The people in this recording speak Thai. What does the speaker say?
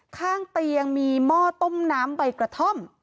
ข้างเตียงมีหม้อต้มน้ำใบกระท่อม